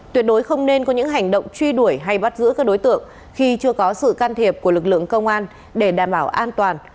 tuyệt đối không nên có những hành động truy đuổi hay bắt giữ các đối tượng khi chưa có sự can thiệp của lực lượng công an để đảm bảo an toàn